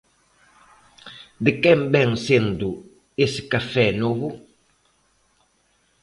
De quen vén sendo ese café novo.